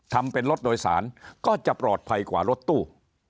ทำเป็นรถโดยสารก็จะปลอดภัยกว่ารถตู้